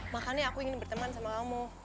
makanya aku ingin berteman sama kamu